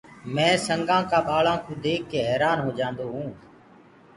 مي سنگآ ڪآ ٻآݪآ ڪوُ ديک ڪي حيرآن هوجآندو هونٚ۔